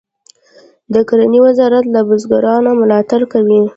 د کرنې وزارت له بزګرانو ملاتړ کوي